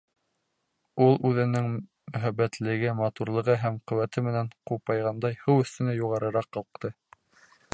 Ул, үҙенең мөһабәтлеге, матурлығы һәм ҡеүәте менән ҡупайғандай, һыу өҫтөнә юғарыраҡ ҡалҡты.